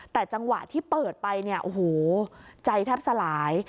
แต่จังหวะที่เปิดไปใจแทบสลาย